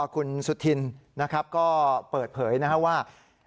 คุณสุธินก็เปิดเผยว่า